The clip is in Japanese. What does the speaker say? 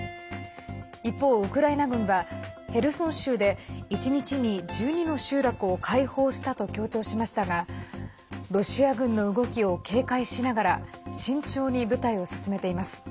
一方、ウクライナ軍はヘルソン州で１日に１２の集落を解放したと強調しましたがロシア軍の動きを警戒しながら慎重に部隊を進めています。